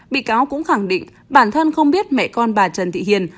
bị cáo cũng khẳng định bản thân không biết mẹ con bà trần thị hiền